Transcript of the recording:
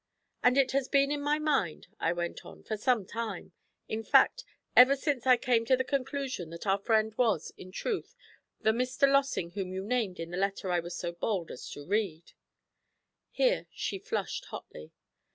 'And it has been in my mind,' I went on, 'for some time in fact ever since I came to the conclusion that our friend was, in truth, the Mr. Lossing whom you named in the letter I was so bold as to read;' here she flushed hotly.